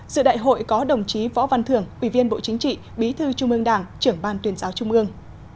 sự đại hội có đồng chí võ văn thường ủy viên bộ chính trị bí thư trung ương đảng trưởng ban tuyên giáo trung ương